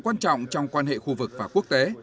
quan trọng trong quan hệ khu vực và quốc tế